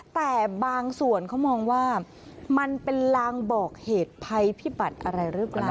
แต่บางส่วนเขามองว่ามันเป็นลางบอกเหตุภัยพิบัติอะไรหรือเปล่า